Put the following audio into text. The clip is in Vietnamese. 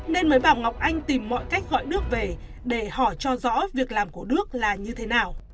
nên mới bảo ngọc anh tìm mọi cách gọi nước về để họ cho rõ việc làm của đức là như thế nào